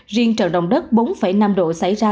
riêng trận động đất bốn năm độ xảy ra